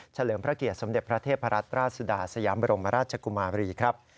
เลิมพระเกียรติสมเด็จพระเทพรัตนราชสุดาสยามบรมราชกุมาบรีครับ